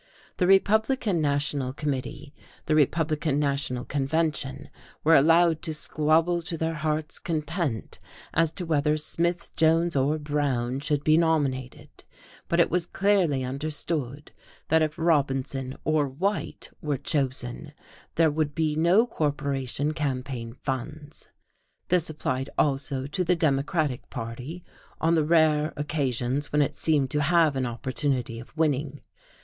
The Republican National Committee, the Republican National Convention were allowed to squabble to their hearts' content as to whether Smith, Jones or Brown should be nominated, but it was clearly understood that if Robinson or White were chosen there would be no corporation campaign funds. This applied also to the Democratic party, on the rare occasions when it seemed to have an opportunity of winning.